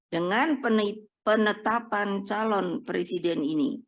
dengan penetapan calon presiden